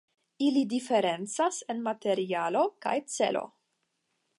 Ili diferencas en materialo kaj celo.